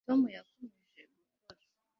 tom yakomeje gukora